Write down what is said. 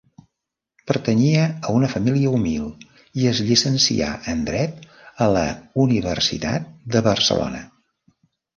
Pertanyia a una família humil i es llicencià en dret a la Universitat de Barcelona.